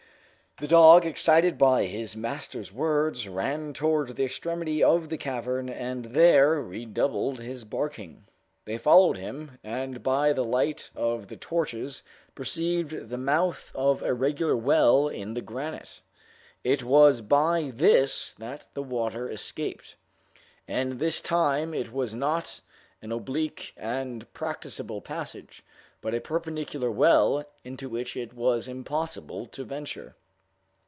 The dog, excited by his master's words, ran towards the extremity of the cavern, and there redoubled his barking. They followed him, and by the light of the torches, perceived the mouth of a regular well in the granite. It was by this that the water escaped; and this time it was not an oblique and practicable passage, but a perpendicular well, into which it was impossible to venture.